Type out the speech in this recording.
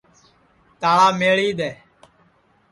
تاݪا میݪی دؔے